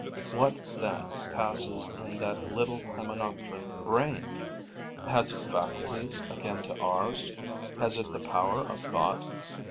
What, then, passes in that little Hymenopteron brain? Has it faculties akin to ours, has it the power of thought?